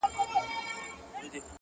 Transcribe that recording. له خوښیو په جامو کي نه ځاېږي،